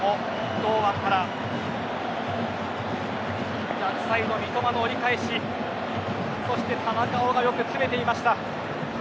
堂安から逆サイド三笘の折り返しそして、田中碧がよく詰めていました。